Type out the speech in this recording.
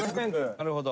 なるほど。